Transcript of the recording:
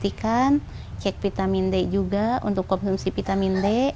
pastikan cek vitamin d juga untuk konsumsi vitamin d